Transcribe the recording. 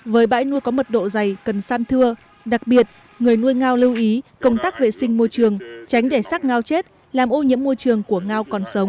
với bãi nuôi có mật độ dày cần san thưa đặc biệt người nuôi ngao lưu ý công tác vệ sinh môi trường tránh để sát ngao chết làm ô nhiễm môi trường của ngao còn sống